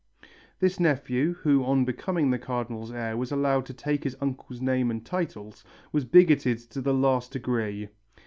This nephew, who on becoming the Cardinal's heir was allowed to take his uncle's name and titles, was bigoted to the last degree.